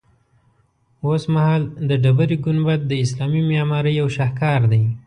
اوسمهال د ډبرې ګنبد د اسلامي معمارۍ یو شهکار دی.